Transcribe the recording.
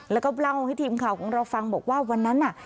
แล้วก็เล่าให้ทีมข่าวของเราฟังบอกว่าวันนั้นน่ะ